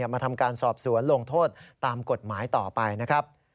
มาทำการสอบสวนลงโทษตามกฎหมายต่อไปนะครับ